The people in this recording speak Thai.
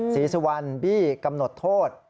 ศรีสุวรรณบี้กำหนดโทษ